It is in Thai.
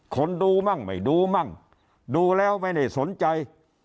คนดูมั่งไม่ดูมั่งดูแล้วไม่ได้สนใจ